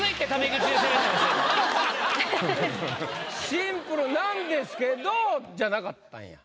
「シンプルなんですけど」じゃなかったんや。